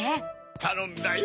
たのんだよ。